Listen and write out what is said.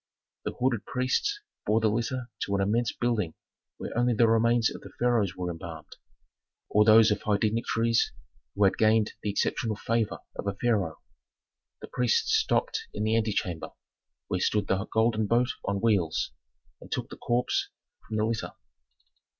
The hooded priests bore the litter to an immense building where only the remains of pharaohs were embalmed, or those of high dignitaries who had gained the exceptional favor of a pharaoh. The priests stopped in the antechamber, where stood the golden boat on wheels, and took the corpse from the litter.